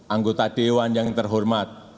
anggota dewan yang terhormat